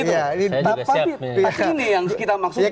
tapi ini yang kita maksudkan